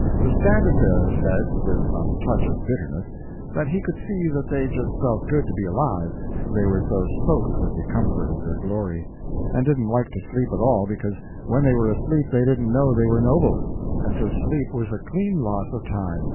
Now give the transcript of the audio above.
The Standard Bearer said, with some touch of bitterness, that he could see that they just felt good to be alive, they were so soaked with the comfort of their glory; and didn't like to sleep at all, because when they were asleep they didn't know they were noble, and so sleep was a clean loss of time.